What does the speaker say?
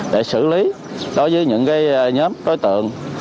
để xử lý đối với những nhóm tối tượng